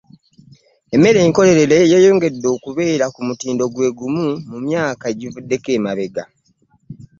Emmere enkolerere yeeyongedde okubeera ku mutindo gwe gumu mu myaka egivuddeko emabega.